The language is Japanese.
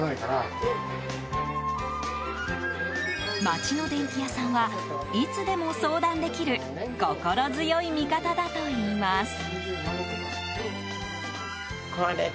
町の電器屋さんはいつでも相談できる心強い味方だといいます。